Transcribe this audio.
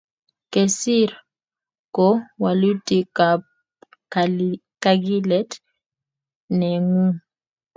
Kesir ko walutikap kakilet ne ngung